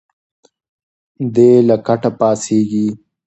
دی له کټه پاڅېږي.